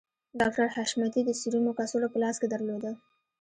ډاکټر حشمتي د سيرومو کڅوړه په لاس کې درلوده